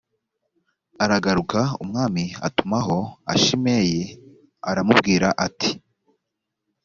aragaruka umwami atumaho a shimeyi aramubwira ati